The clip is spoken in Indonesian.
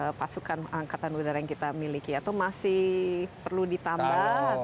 apakah pasukan angkatan udara yang kita miliki atau masih perlu ditambah atau